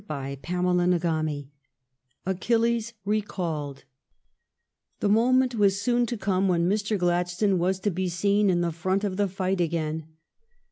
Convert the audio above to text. CHAPTER XXVII ACHILLES RECALLED The moment was soon to come when Mr. Gladstone was to be seen in the front of the fight again.